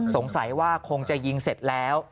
สงสัยว่าคงจะยิงเสร็จแล้ว